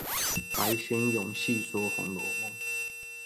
白先勇細說紅樓夢